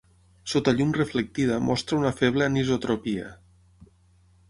Sota llum reflectida mostra una feble anisotropia.